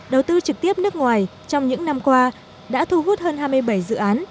đầu tư trực tiếp nước ngoài trong những năm qua đã thu hút hơn hai mươi bảy dự án